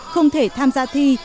không thể tham gia thi